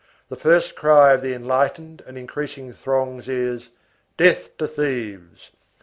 The first cry of the enlightened and increasing throngs is: death to thieves!